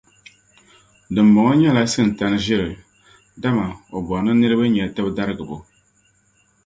Dimbɔŋɔ nyɛla Sitani ʒiri dama o bori ni niriba nye tibidarigibo.